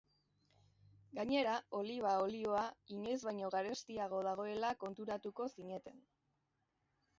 Gainera, oliba olioa inoiz baino garestiago dagoela konturatuko zineten.